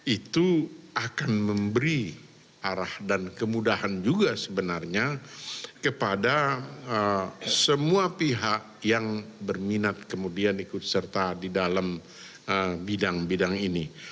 itu akan memberi arah dan kemudahan juga sebenarnya kepada semua pihak yang berminat kemudian ikut serta di dalam bidang bidang ini